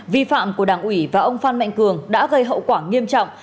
vi phạm của đảng ủy và ông phan mạnh cường đã gây hậu quả nghiêm trọng